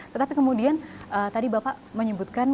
tetapi kemudian tadi bapak menyebutkan